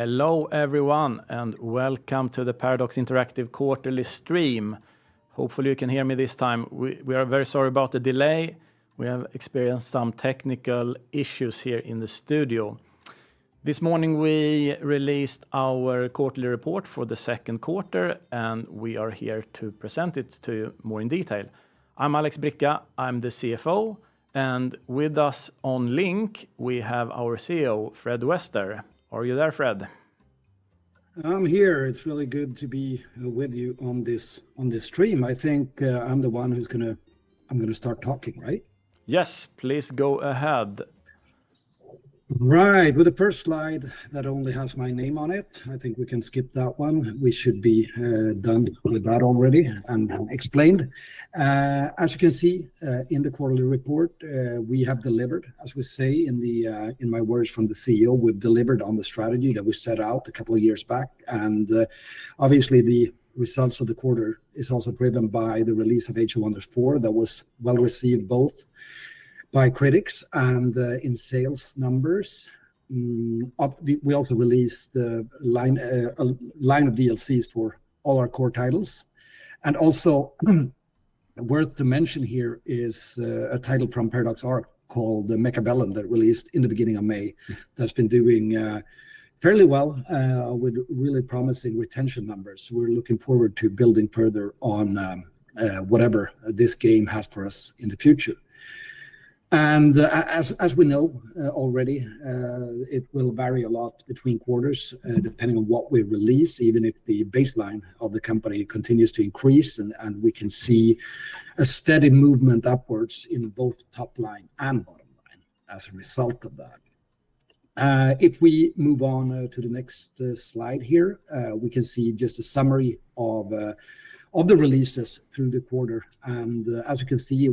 Hello, everyone, welcome to the Paradox Interactive quarterly stream. Hopefully, you can hear me this time. We are very sorry about the delay. We have experienced some technical issues here in the studio. This morning, we released our quarterly report for the second quarter, and we are here to present it to you more in detail. I'm Alexander Bricca, I'm the CFO, and with us on link, we have our CEO, Fredrik Wester. Are you there, Fredrik? I'm here. It's really good to be with you on this stream. I think I'm gonna start talking, right? Yes, please go ahead. With the first slide that only has my name on it, I think we can skip that one. We should be done with that already and explained. As you can see, in the quarterly report, we have delivered, as we say in my words from the CEO, we've delivered on the strategy that we set out a couple of years back. Obviously, the results of the quarter is also driven by the release of Age of Wonders 4, that was well-received both by critics and in sales numbers. We also released a line of DLCs for all our core titles. Also, worth to mention here is a title from Paradox Arc called Mechabellum, that released in the beginning of May, that's been doing fairly well with really promising retention numbers. We're looking forward to building further on whatever this game has for us in the future. As we know, already, it will vary a lot between quarters, depending on what we release, even if the baseline of the company continues to increase, and we can see a steady movement upwards in both top line and bottom line as a result of that. If we move on to the next slide here, we can see just a summary of the releases through the quarter. As you can see,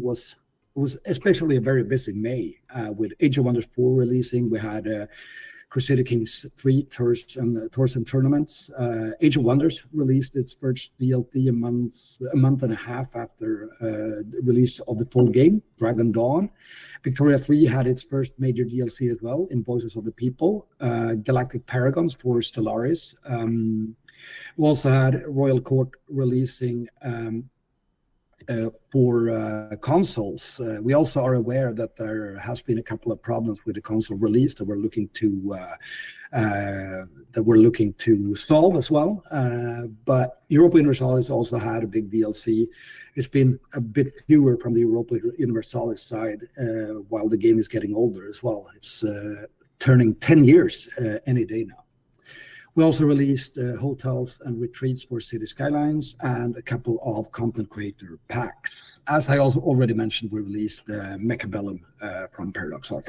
it was especially a very busy May with Age of Wonders 4 releasing. We had Crusader Kings III, Tours and Tournaments. Age of Wonders released its first DLC a month and a half after the release of the full game, Dragon Dawn. Victoria 3 had its first major DLC as well in Voice of the People, Galactic Paragons for Stellaris. We also had Royal Court releasing for consoles. We also are aware that there has been a couple of problems with the console release that we're looking to solve as well. Europa Universalis also had a big DLC. It's been a bit newer from the Europa Universalis side while the game is getting older as well. It's turning 10 years any day now. We also released Hotels & Retreats for Cities: Skylines and a couple of Content Creator Packs. As I also already mentioned, we released Mechabellum from Paradox Arc.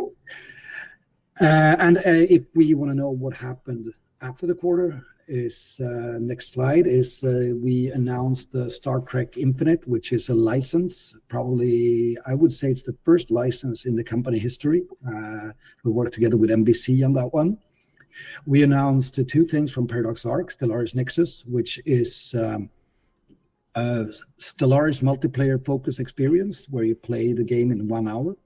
If we want to know what happened after the quarter is next slide, we announced Star Trek: Infinite, which is a license, probably, I would say it's the first license in the company history. We worked together with NBC on that one. We announced two things from Paradox Arc: Stellaris Nexus, which is a Stellaris multiplayer-focused experience, where you play the game in 1 hour,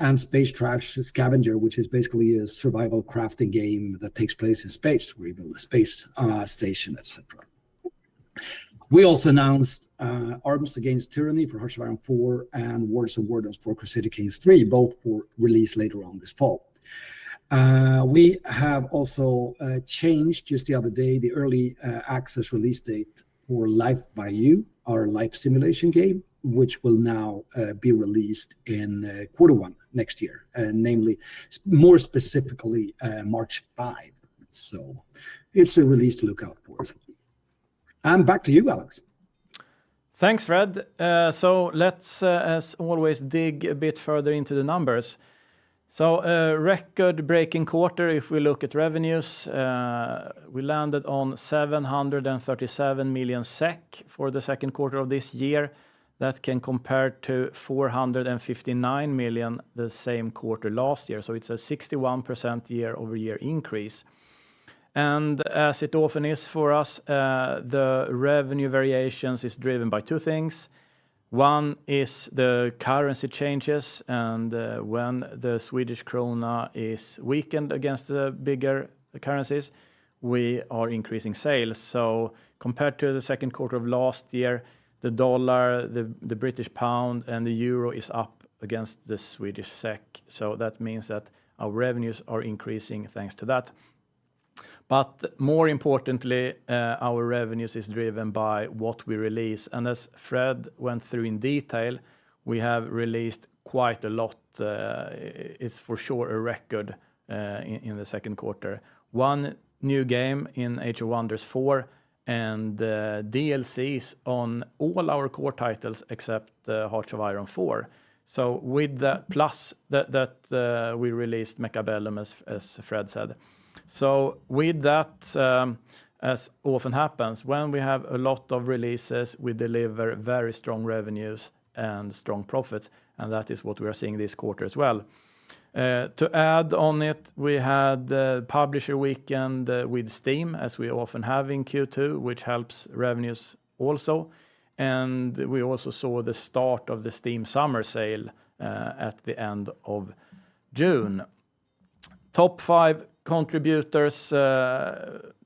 and Space Trash Scavenger, which is basically a survival crafting game that takes place in space, where you build a space station, et cetera. We also announced Arms Against Tyranny for Hearts of Iron IV and Wards & Wardens for Crusader Kings III, both for release later on this fall. We have also changed, just the other day, the early access release date for Life by You, our life simulation game, which will now be released in quarter one next year, more specifically, March 5. It's a release to look out for. Back to you, Alex. Thanks, Fred. Let's, as always, dig a bit further into the numbers. Record-breaking quarter, if we look at revenues, we landed on 737 million SEK for the second quarter of this year. That can compare to 459 million the same quarter last year. It's a 61% year-over-year increase. As it often is for us, the revenue variations is driven by two things. One is the currency changes, and when the Swedish krona is weakened against the bigger currencies, we are increasing sales. Compared to the second quarter of last year, the dollar, the British pound, and the euro is up against the Swedish SEK. That means that our revenues are increasing thanks to that. More importantly, our revenues is driven by what we release, and as Fred went through in detail, we have released quite a lot. It's for sure a record in the second quarter. One new game in Age of Wonders IV, and DLCs on all our core titles except Hearts of Iron IV. With that, plus that we released Mechabellum, as Fred said. With that, as often happens, when we have a lot of releases, we deliver very strong revenues and strong profits, and that is what we are seeing this quarter as well. To add on it, we had a Publisher Weekend with Steam, as we often have in Q2, which helps revenues also. We also saw the start of the Steam Summer Sale at the end of June. Top five contributors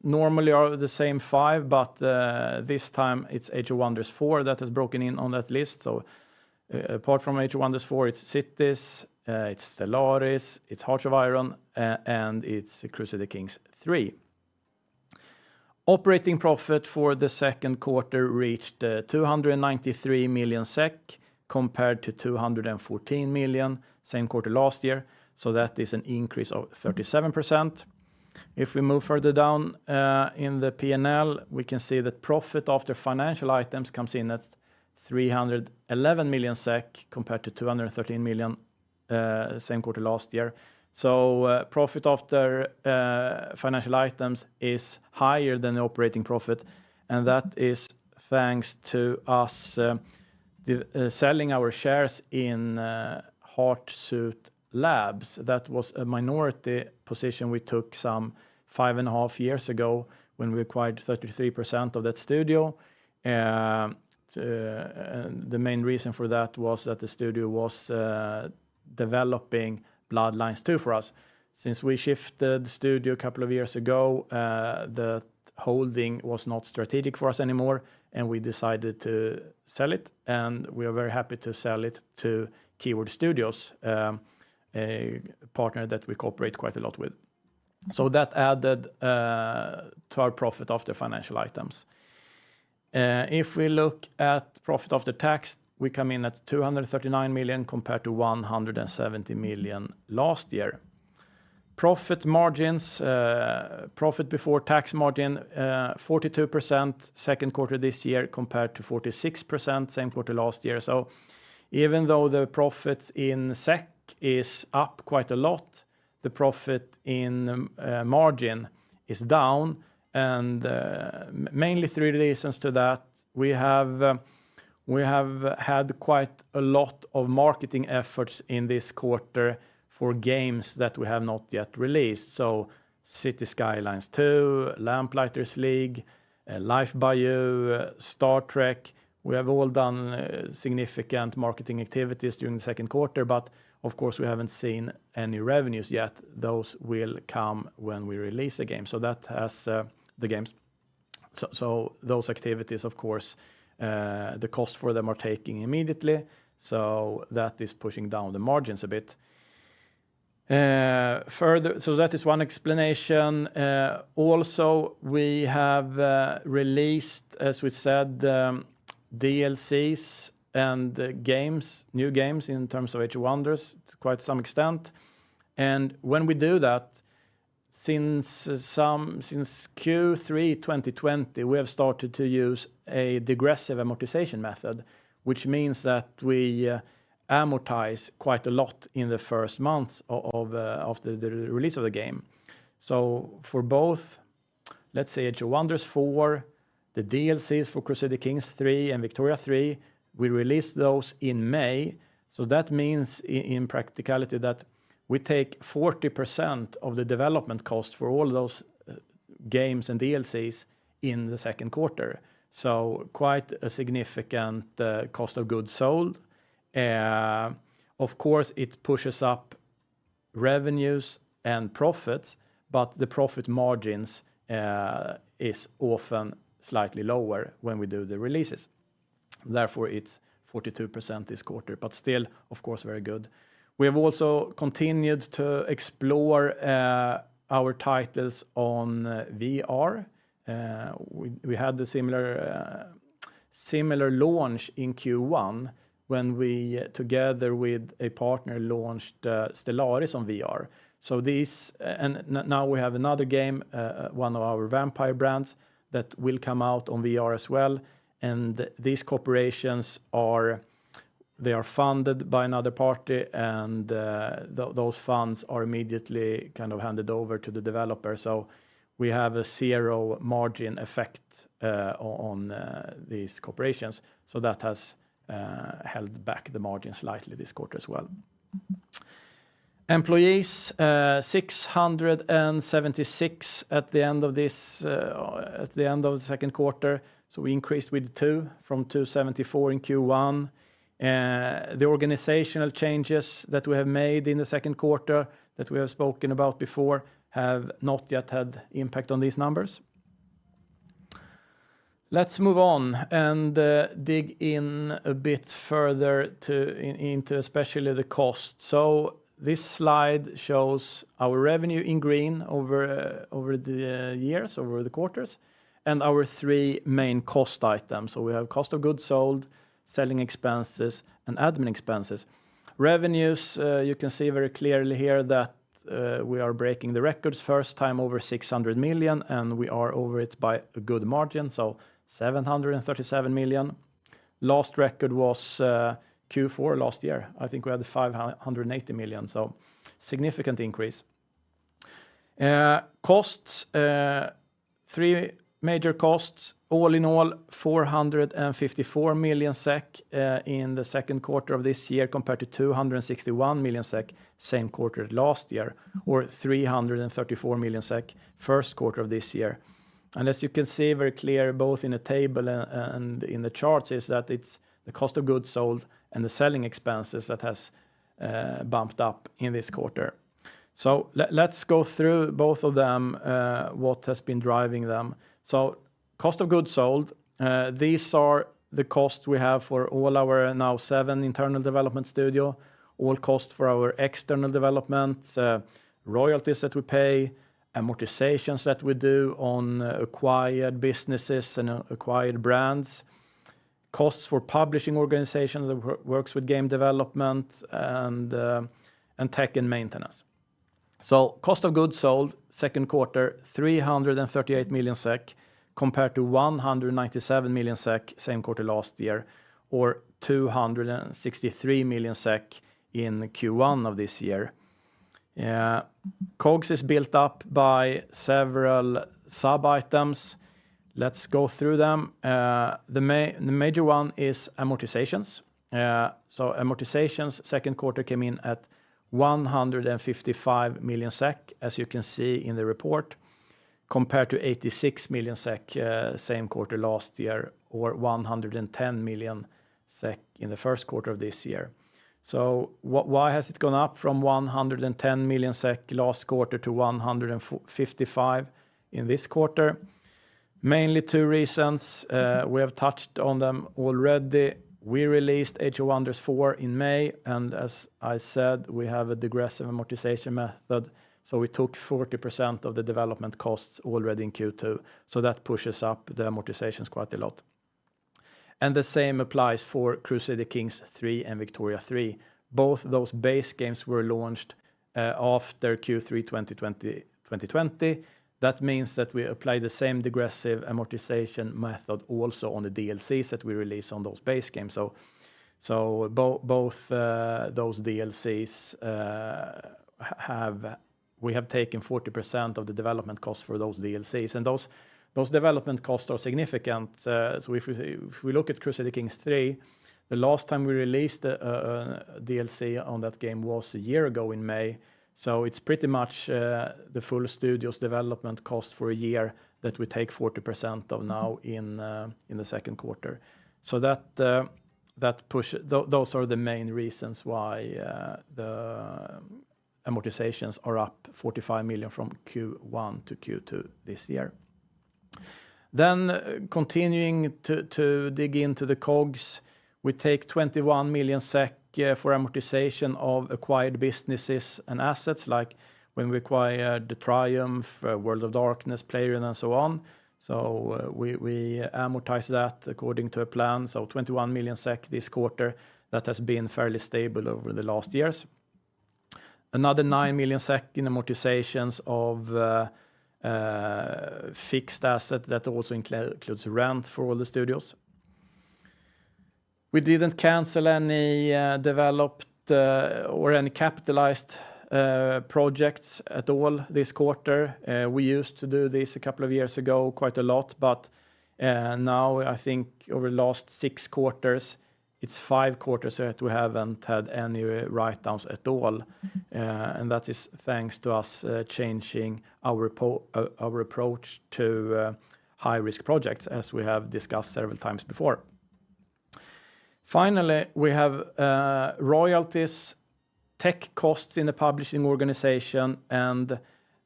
normally are the same five, this time it's Age of Wonders 4 that has broken in on that list. Apart from Age of Wonders 4, it's Cities, it's Stellaris, it's Hearts of Iron, and it's Crusader Kings III. Operating profit for the second quarter reached 293 million SEK, compared to 214 million, same quarter last year, that is an increase of 37%. If we move further down in the PNL, we can see that profit after financial items comes in at 311 million SEK, compared to 213 million, same quarter last year. Profit after financial items is higher than the operating profit, and that is thanks to us selling our shares in Hardsuit Labs. That was a minority position we took some five and a half years ago when we acquired 33% of that studio. The main reason for that was that the studio was developing Bloodlines 2 for us. Since we shifted the studio a couple of years ago, the holding was not strategic for us anymore, and we decided to sell it, and we are very happy to sell it to Keywords Studios, a partner that we cooperate quite a lot with. That added to our profit after financial items. If we look at profit after tax, we come in at 239 million, compared to 170 million last year. Profit margins, profit before tax margin, 42%, second quarter this year, compared to 46%, same quarter last year. Even though the profits in SEK is up quite a lot, the profit in margin is down, and mainly three reasons to that. We have had quite a lot of marketing efforts in this quarter for games that we have not yet released, so Cities: Skylines II, Lamplighters League, Life by You, Star Trek. We have all done significant marketing activities during the second quarter, but of course, we haven't seen any revenues yet. Those will come when we release a game. That has those activities, of course, the cost for them are taking immediately, so that is pushing down the margins a bit. That is one explanation. Also, we have released, as we said, DLCs and games, new games, in terms of Age of Wonders, to quite some extent. When we do that, since Q3 2020, we have started to use a degressive amortization method, which means that we amortize quite a lot in the first months of the release of the game. For both, let's say, Age of Wonders 4, the DLCs for Crusader Kings III and Victoria 3, we released those in May. That means in practicality, that we take 40% of the development cost for all those games and DLCs in the second quarter. Quite a significant Cost of Goods Sold. Of course, it pushes up revenues and profits, but the profit margins is often slightly lower when we do the releases. It's 42% this quarter, still, of course, very good. We have also continued to explore our titles on VR. We had the similar launch in Q1 when we, together with a partner, launched Stellaris on VR. Now we have another game, one of our Vampire brands, that will come out on VR as well. They are funded by another party, those funds are immediately kind of handed over to the developer. We have a zero margin effect on these corporations, that has held back the margin slightly this quarter as well. Employees, 676 at the end of this, at the end of the second quarter, we increased with two from 274 in Q1. The organizational changes that we have made in the second quarter, that we have spoken about before, have not yet had impact on these numbers. Let's move on and dig in a bit further into especially the cost. This slide shows our revenue in green over the years, over the quarters, and our three main cost items. We have Cost of Goods Sold, Selling Expenses, and Admin Expenses. Revenues, you can see very clearly here that we are breaking the records first time over 600 million, and we are over it by a good margin, 737 million. Last record was Q4 last year. I think we had 580 million, so significant increase. Costs, three major costs, all in all, 454 million SEK in the second quarter of this year, compared to 261 million SEK, same quarter last year, or 334 million SEK, first quarter of this year. As you can see very clear, both in the table and in the charts, is that it's the Cost of Goods Sold and the Selling Expenses that has bumped up in this quarter. Let's go through both of them, what has been driving them. Cost of goods sold, these are the costs we have for all our now seven internal development studio, all cost for our external development, royalties that we pay, amortizations that we do on acquired businesses and acquired brands, costs for publishing organizations that works with game development, and tech and maintenance. Cost of goods sold, second quarter, 338 million SEK, compared to 197 million SEK, same quarter last year, or 263 million SEK in Q1 of this year. COGS is built up by several sub-items. Let's go through them. The major one is amortizations. Amortizations, second quarter came in at 155 million SEK, as you can see in the report, compared to 86 million SEK same quarter last year, or 110 million SEK in the first quarter of this year. Why has it gone up from 110 million SEK last quarter to 155 million in this quarter? Mainly two reasons, we have touched on them already. We released Age of Wonders 4 in May, and as I said, we have a degressive amortization method, so we took 40% of the development costs already in Q2, so that pushes up the amortizations quite a lot. The same applies for Crusader Kings III and Victoria 3. Both those base games were launched after Q3 2020. That means that we apply the same degressive amortization method also on the DLCs that we release on those base games. Both, those DLCs, we have taken 40% of the development costs for those DLCs, and those development costs are significant. If we look at Crusader Kings III, the last time we released a DLC on that game was a year ago in May, it's pretty much the full studio's development cost for a year that we take 40% of now in the second quarter. That, those are the main reasons why the amortizations are up 45 million from Q1-Q2 this year. Continuing to dig into the COGS, we take 21 million SEK, yeah, for amortization of acquired businesses and assets, like when we acquired Triumph, World of Darkness, Playrion, and so on. We amortize that according to a plan, 21 million SEK this quarter, that has been fairly stable over the last years. Another 9 million SEK in amortizations of fixed asset that also includes rent for all the studios. We didn't cancel any developed or any capitalized projects at all this quarter. We used to do this a couple of years ago, quite a lot, but now, I think over the last 6 quarters, it's 5 quarters that we haven't had any write-downs at all, and that is thanks to us changing our approach to high-risk projects, as we have discussed several times before. Finally, we have royalties, tech costs in the publishing organization, and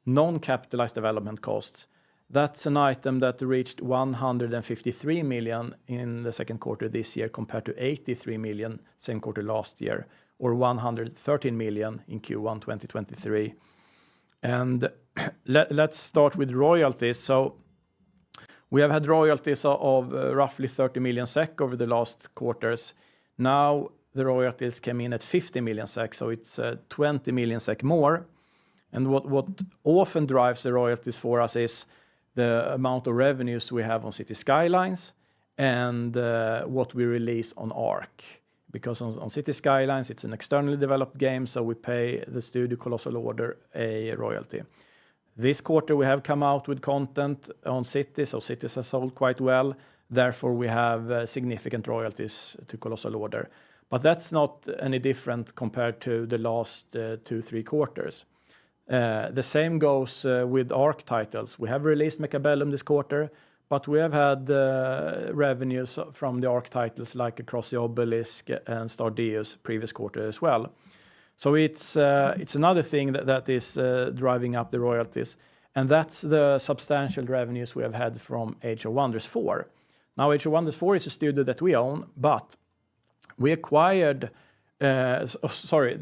non-capitalized development costs. That's an item that reached 153 million in the second quarter this year, compared to 83 million, same quarter last year, or 113 million in Q1 2023. Let's start with royalties. We have had royalties of roughly 30 million SEK over the last quarters. Now, the royalties came in at 50 million SEK, so it's 20 million SEK more. What often drives the royalties for us is the amount of revenues we have on Cities: Skylines and what we release on Arc. On Cities: Skylines, it's an externally developed game, so we pay the studio Colossal Order a royalty. This quarter, we have come out with content on Cities, so Cities has sold quite well, therefore, we have significant royalties to Colossal Order. That's not any different compared to the last two, three quarters. The same goes with Arc titles. We have released Mechabellum this quarter, but we have had revenues from the Arc titles like Across the Obelisk and Stardeus previous quarter as well. It's another thing that is driving up the royalties, and that's the substantial revenues we have had from Age of Wonders 4. Age of Wonders 4 is a studio that we own, but we acquired. Sorry,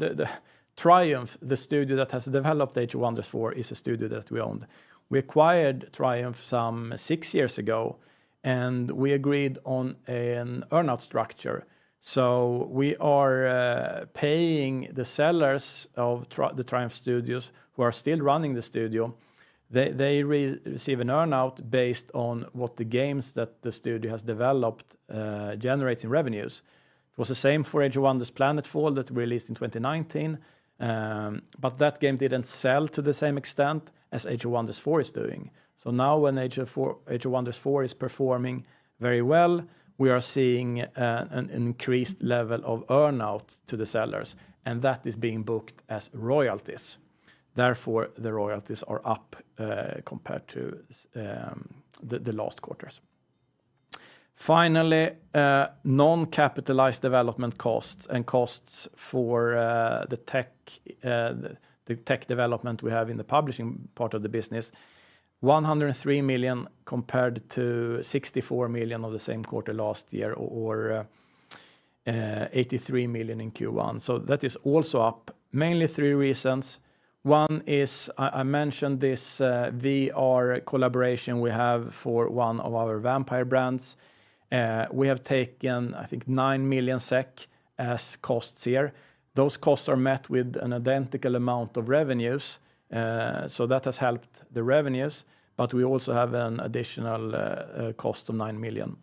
Triumph Studios, the studio that has developed Age of Wonders 4, is a studio that we owned. We acquired Triumph some six years ago, and we agreed on an earn-out structure. We are paying the sellers of Triumph Studios, who are still running the studio. They receive an earn-out based on what the games that the studio has developed, generating revenues. It was the same for Age of Wonders: Planetfall that released in 2019, but that game didn't sell to the same extent as Age of Wonders 4 is doing. Now when Age of Wonders 4 is performing very well, we are seeing an increased level of earn-out to the sellers, and that is being booked as royalties. Therefore, the royalties are up compared to the last quarters. Finally, non-capitalized development costs and costs for the tech development we have in the publishing part of the business, 103 million compared to 64 million of the same quarter last year or 83 million in Q1. That is also up. Mainly three reasons. One is, I mentioned this VR collaboration we have for one of our Vampire brands. We have taken, I think, 9 million SEK as costs here. Those costs are met with an identical amount of revenues, so that has helped the revenues, but we also have an additional cost of 9 million.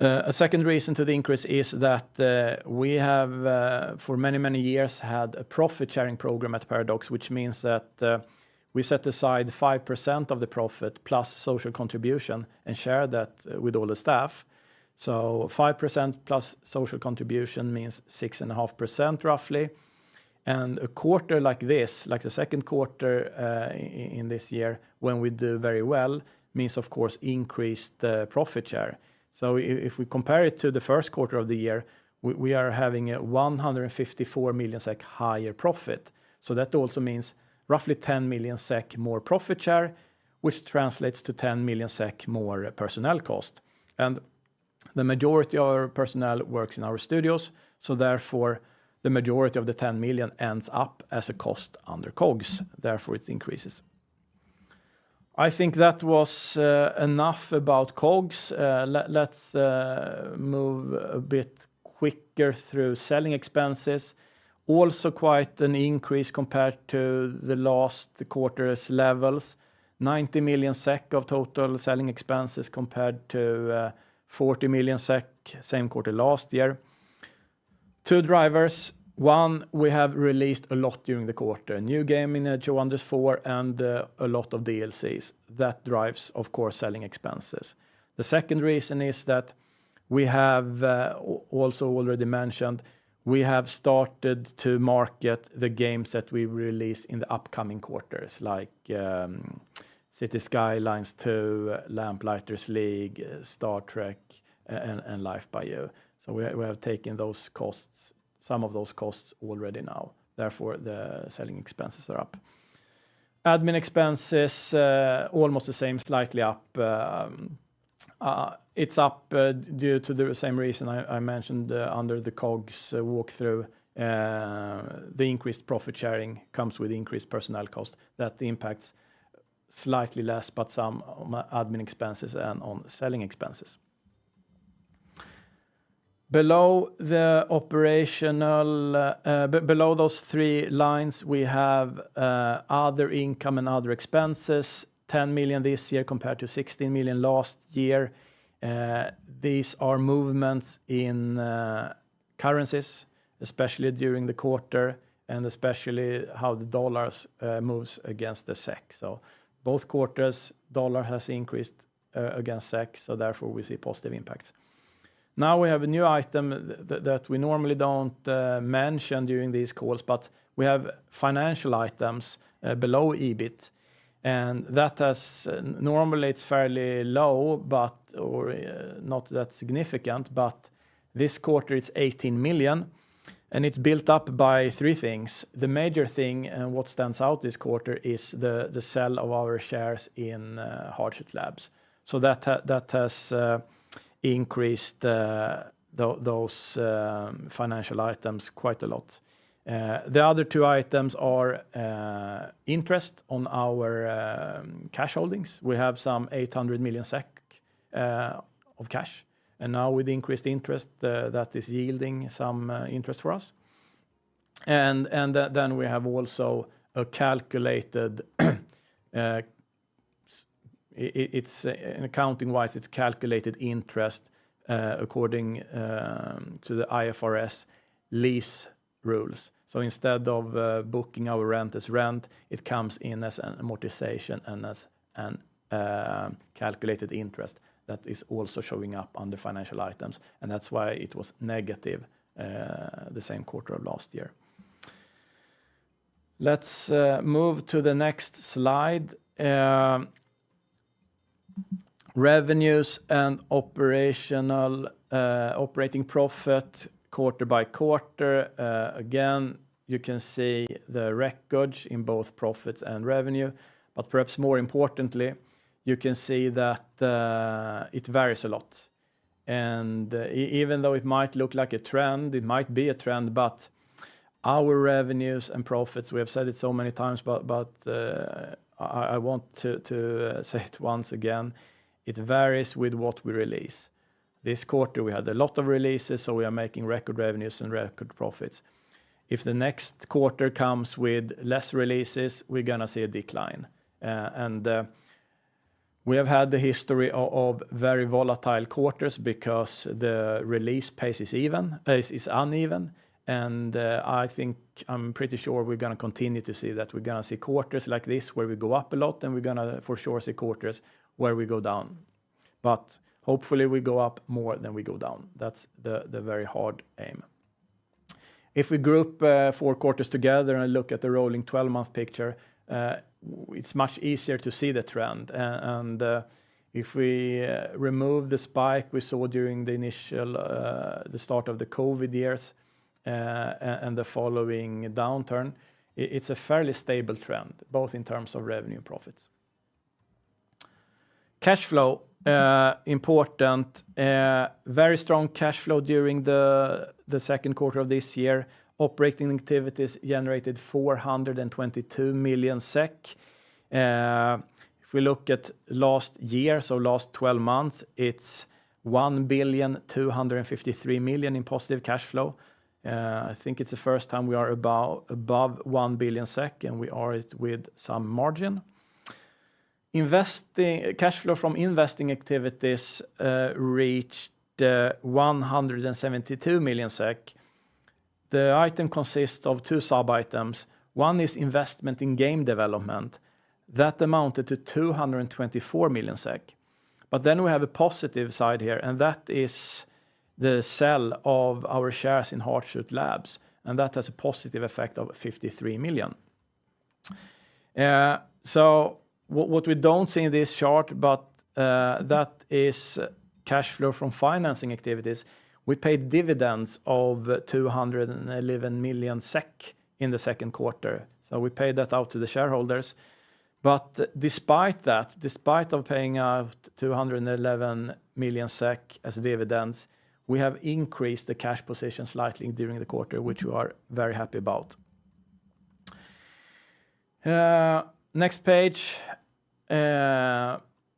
A second reason to the increase is that we have for many, many years, had a profit-sharing program at Paradox, which means that we set aside 5% of the profit plus social contribution and share that with all the staff. 5% plus social contribution means 6.5%, roughly. A quarter like this, like the second quarter, in this year, when we do very well, means, of course, increased profit share. If we compare it to the first quarter of the year, we are having a 154 million SEK higher profit. That also means roughly 10 million SEK more profit share, which translates to 10 million SEK more personnel cost. The majority of our personnel works in our studios, so therefore, the majority of the 10 million ends up as a cost under COGS, therefore, it increases. I think that was enough about COGS. Let's move a bit quicker through selling expenses. Also quite an increase compared to the last quarter's levels: 90 million SEK of total selling expenses compared to 40 million SEK same quarter last year. Two drivers. One, we have released a lot during the quarter: a new game in Age of Wonders 4 and a lot of DLCs. That drives, of course, selling expenses. The second reason is that we have also already mentioned, we have started to market the games that we release in the upcoming quarters, like Cities: Skylines II, The Lamplighters League, Star Trek, and Life by You. We have taken those costs, some of those costs already now, therefore, the selling expenses are up. Admin expenses almost the same, slightly up. It's up due to the same reason I mentioned under the COGS walkthrough. The increased profit sharing comes with increased personnel cost. That impacts slightly less, but some on admin expenses and on selling expenses. Below the operational below those three lines, we have other income and other expenses: 10 million this year, compared to 16 million last year. These are movements in currencies, especially during the quarter, and especially how the dollars moves against the SEK. Both quarters, dollar has increased against SEK, therefore, we see positive impacts. We have a new item that we normally don't mention during these calls, but we have financial items below EBIT. Normally, it's fairly low, but or not that significant, but this quarter it's 18 million, and it's built up by three things. The major thing, and what stands out this quarter, is the sale of our shares in Hardsuit Labs. That has increased those financial items quite a lot. The other two items are interest on our cash holdings. We have some 800 million SEK of cash, and now with the increased interest, that is yielding some interest for us. We have also a calculated, it's accounting-wise, it's calculated interest according to the IFRS lease rules. Instead of booking our rent as rent, it comes in as an amortization and as an calculated interest that is also showing up on the financial items, that's why it was negative the same quarter of last year. Let's move to the next slide. Revenues and operational operating profit quarter-by-quarter. Again, you can see the records in both profits and revenue, but perhaps more importantly, you can see that it varies a lot. Even though it might look like a trend, it might be a trend, but our revenues and profits, we have said it so many times, but I want to say it once again, it varies with what we release. This quarter, we had a lot of releases, so we are making record revenues and record profits. If the next quarter comes with less releases, we're gonna see a decline. And we have had the history of very volatile quarters because the release pace is uneven, and I think I'm pretty sure we're gonna continue to see that. We're gonna see quarters like this, where we go up a lot, and we're gonna for sure see quarters where we go down. Hopefully, we go up more than we go down. That's the very hard aim. If we group four quarters together and look at the rolling 12-month picture, it's much easier to see the trend. If we remove the spike we saw during the initial start of the COVID years and the following downturn, it's a fairly stable trend, both in terms of revenue and profits. Cash flow, important. Very strong cash flow during the 2nd quarter of this year. Operating activities generated 422 million SEK. If we look at last year, last 12 months, it's 1,253 million in positive cash flow. I think it's the 1st time we are above 1 billion SEK, we are it with some margin. Cash flow from investing activities reached 172 million SEK. The item consists of two sub-items. One is investment in game development. That amounted to 224 million SEK. We have a positive side here, and that is the sale of our shares in Hardsuit Labs, and that has a positive effect of 53 million. What we don't see in this chart, that is cash flow from financing activities. We paid dividends of 211 million SEK in the second quarter, so we paid that out to the shareholders. Despite that, despite of paying out 211 million SEK as dividends, we have increased the cash position slightly during the quarter, which we are very happy about. Next page.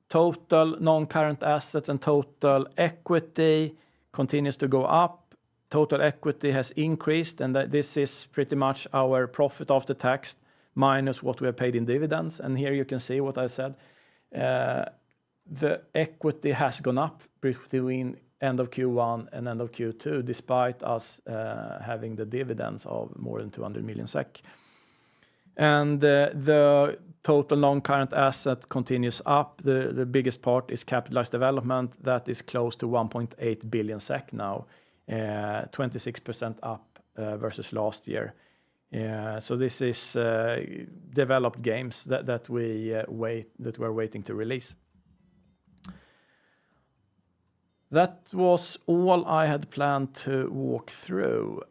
Total non-current assets and total equity continues to go up. Total equity has increased. This is pretty much our profit of the tax minus what we have paid in dividends, and here you can see what I said. The equity has gone up between end of Q1 and end of Q2, despite us having the dividends of more than 200 million SEK. The total non-current asset continues up. The biggest part is capitalized development. That is close to 1.8 billion SEK now, 26% up versus last year. This is developed games that we're waiting to release. That was all I had planned to walk through.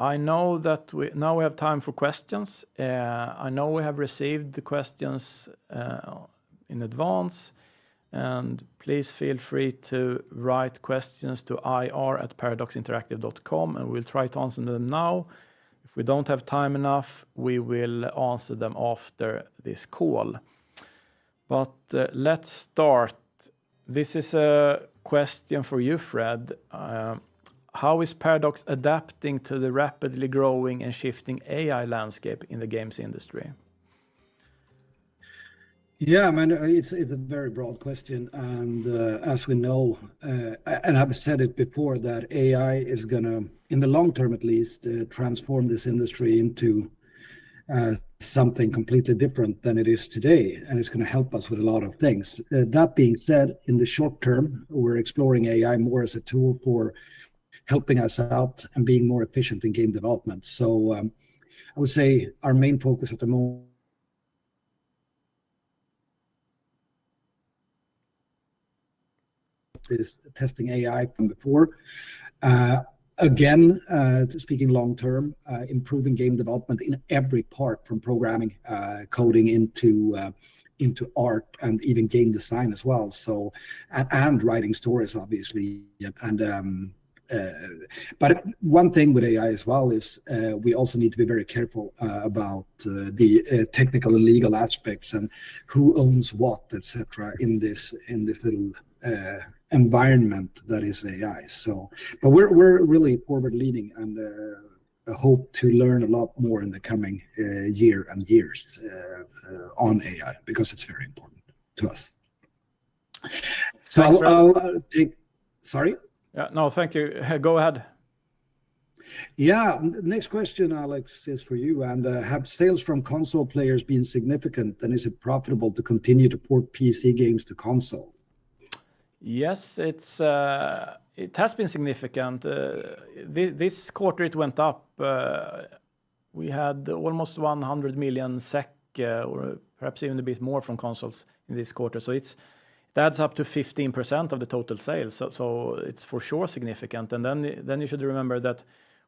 I know that. Now we have time for questions. I know we have received the questions in advance, and please feel free to write questions to ir@paradoxinteractive.com, and we'll try to answer them now. If we don't have time enough, we will answer them after this call. Let's start. This is a question for you, Fred. How is Paradox adapting to the rapidly growing and shifting AI landscape in the games industry? I mean, it's a very broad question, and, as we know, and I've said it before, that AI is gonna, in the long term at least, transform this industry into something completely different than it is today, and it's gonna help us with a lot of things. That being said, in the short term, we're exploring AI more as a tool for helping us out and being more efficient in game development. I would say our main focus is testing AI from before. Again, speaking long term, improving game development in every part, from programming, coding into art, and even game design as well, so and writing stories, obviously. But one thing with AI as well is, we also need to be very careful about the technical and legal aspects and who owns what, et cetera, in this little environment that is AI. We're really forward-leaning and hope to learn a lot more in the coming year and years on AI, because it's very important to us. I'll take. Thanks, Fred. Sorry? No, thank you. Go ahead. Yeah. Next question, Alex, is for you, have sales from console players been significant, and is it profitable to continue to port PC games to console? Yes, it's, it has been significant. This quarter it went up. We had almost 100 million SEK, or perhaps even a bit more from consoles in this quarter. That's up to 15% of the total sales, so it's for sure significant. You should remember that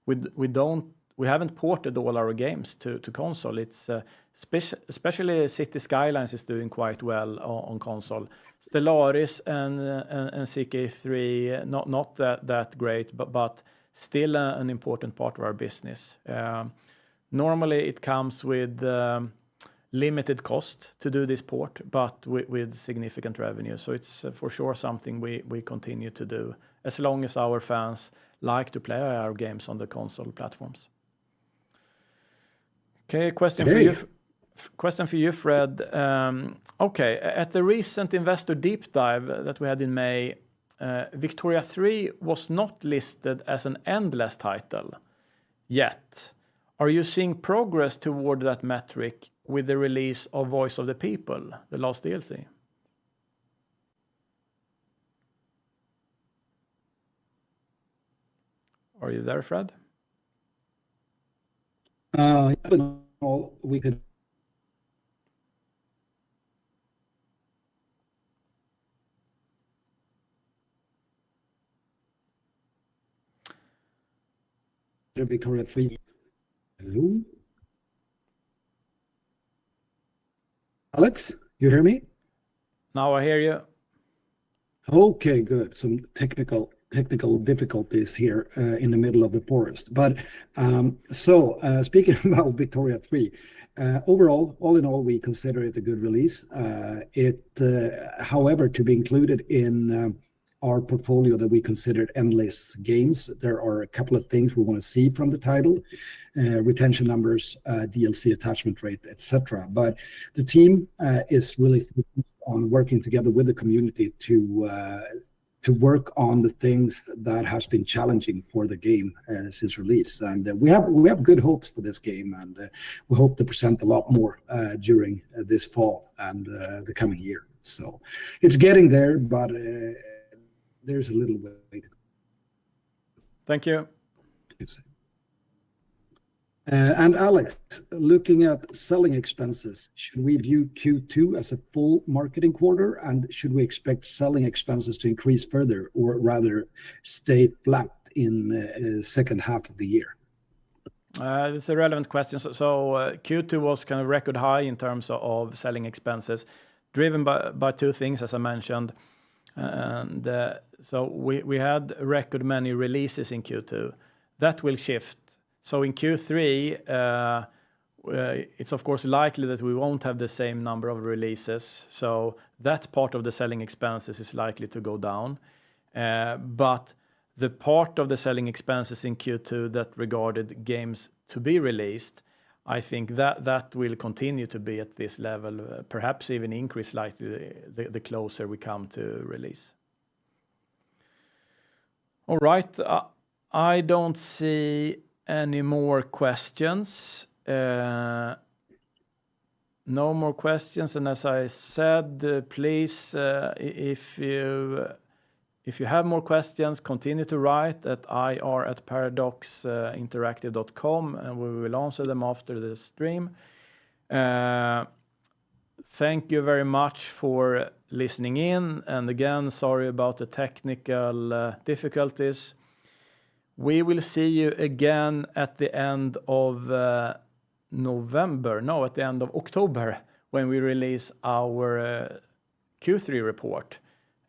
we haven't ported all our games to console. It's especially Cities: Skylines is doing quite well on console. Stellaris and CK3, not that great, but still an important part of our business. Normally it comes with limited cost to do this port, but with significant revenue, so it's for sure something we continue to do as long as our fans like to play our games on the console platforms. A question for you? Hey Question for you, Fred. Okay, at the recent Investor Deep Dive that we had in May, Victoria 3 was not listed as an endless title yet. Are you seeing progress toward that metric with the release of Voice of the People, the last DLC? Are you there, Fred? We could. It'll be coming to three room. Alex, you hear me? Now I hear you. Okay, good. Some technical difficulties here in the middle of the forest. Speaking about Victoria 3, overall, all in all, we consider it a good release. It, however, to be included in our portfolio that we considered endless games, there are a couple of things we wanna see from the title: retention numbers, DLC attachment rate, et cetera. The team is really on working together with the community to work on the things that has been challenging for the game since release. We have good hopes for this game, we hope to present a lot more during this fall and the coming year. It's getting there's a little way. Thank you. Yes. Alex, looking at selling expenses, should we view Q2 as a full marketing quarter, and should we expect selling expenses to increase further or rather stay flat in the second half of the year? It's a relevant question. Q2 was kind of record high in terms of selling expenses, driven by two things, as I mentioned. We had record many releases in Q2. That will shift. In Q3, it's of course likely that we won't have the same number of releases, so that part of the selling expenses is likely to go down. The part of the selling expenses in Q2 that regarded games to be released, I think that will continue to be at this level, perhaps even increase slightly the closer we come to release. All right, I don't see any more questions. No more questions, as I said, please, if you have more questions, continue to write at ir@paradoxinteractive.com, we will answer them after the stream. Thank you very much for listening in, and again, sorry about the technical difficulties. We will see you again at the end of November, no, at the end of October, when we release our Q3 report.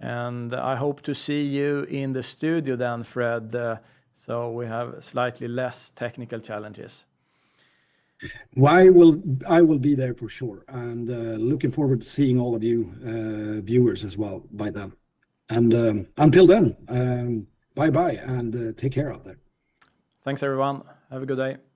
I hope to see you in the studio then, Fred, so we have slightly less technical challenges. Well, I will be there for sure, and, looking forward to seeing all of you, viewers as well by then. Until then, bye-bye, and, take care out there. Thanks, everyone. Have a good day.